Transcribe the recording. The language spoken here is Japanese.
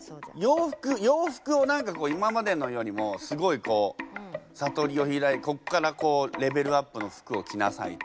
洋服を何かこう今までのよりもすごいこう悟りをこっからこうレベルアップの服を着なさいと。